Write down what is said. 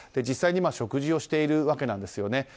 実際に食事をしているわけなんですね。